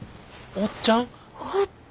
おっちゃん！